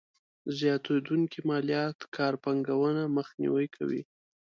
زياتېدونکې ماليات کار پانګونه مخنیوی کوي.